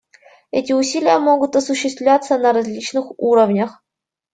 Эти усилия могут осуществляться на различных уровнях.